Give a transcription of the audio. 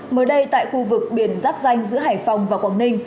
mới đây tại khu vực biển giáp danh giữa hải phòng và quảng ninh